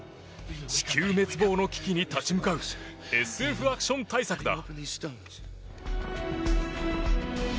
地球滅亡の危機に立ち向かうＳＦアクション大作だ。